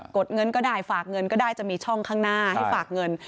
ดเงินก็ได้ฝากเงินก็ได้จะมีช่องข้างหน้าให้ฝากเงิน